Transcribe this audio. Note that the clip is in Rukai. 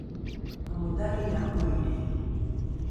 amodhalinga ’oilri